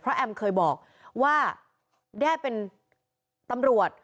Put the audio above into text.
แอมเคยบอกว่าแด้เป็นตำรวจ